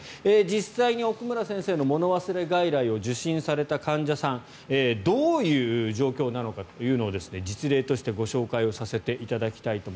実際に奥村先生の物忘れ外来を受診された患者さんどういう状況なのかを実例としてご紹介させていただきます。